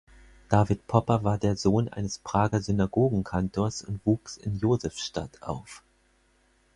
David Popper war der Sohn eines Prager Synagogen-Kantors und wuchs in der Josefstadt auf.